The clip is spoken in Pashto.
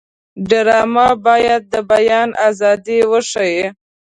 ډرامه باید د بیان ازادي وښيي